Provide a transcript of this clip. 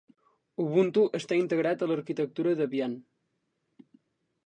Ubuntu està integrat a l'arquitectura Debian